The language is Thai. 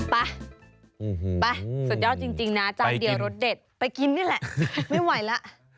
ไปไปสุดยอดจริงนะจานเดียวรสเด็ดไปกินนี่แหละไม่ไหวแล้ว